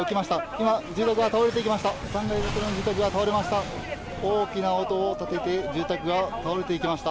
今、住宅が倒れていきました。